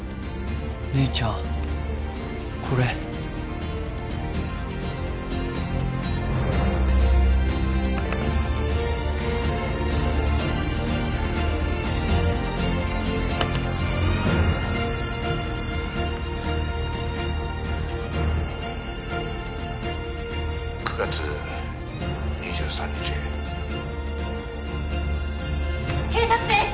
姉ちゃんこれ９月２３日警察です！